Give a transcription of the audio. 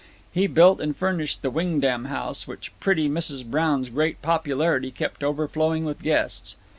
He built and furnished the "Wingdam House," which pretty Mrs. Brown's great popularity kept overflowing with guests.